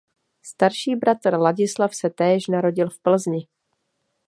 Starší bratr Ladislav se též narodil v Plzni.